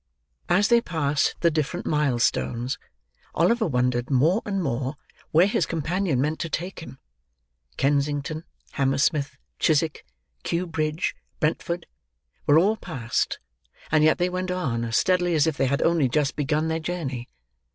As they passed the different mile stones, Oliver wondered, more and more, where his companion meant to take him. Kensington, Hammersmith, Chiswick, Kew Bridge, Brentford, were all passed; and yet they went on as steadily as if they had only just begun their journey.